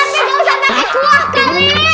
nanti ga usah pake cuak kali